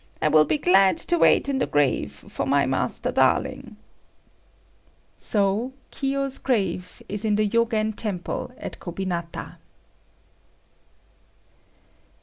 I will be glad to wait in the grave for my Master Darling." So Kiyo's grave is in the Yogen temple at Kobinata.